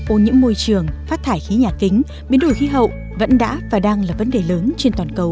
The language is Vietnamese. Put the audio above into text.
ô nhiễm môi trường phát thải khí nhà kính biến đổi khí hậu vẫn đã và đang là vấn đề lớn trên toàn cầu